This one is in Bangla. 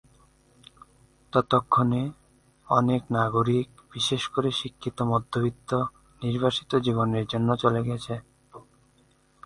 ততক্ষণে, অনেক নাগরিক, বিশেষ করে শিক্ষিত মধ্যবিত্ত, নির্বাসিত জীবনের জন্য চলে গেছে।